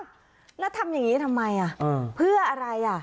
น่าทำอย่างนี้ทำไมเพื่ออะไร